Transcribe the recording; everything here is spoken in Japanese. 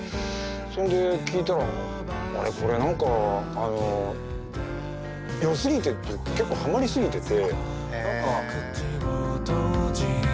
そんで聴いたらあれこれ何かよすぎてっていうか結構はまり過ぎてて。